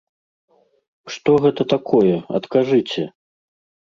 Што гэта такое, адкажыце?